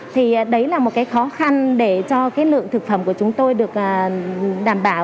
thì đấy là một cái khó khăn để cho cái lượng thực phẩm của chúng tôi được đảm bảo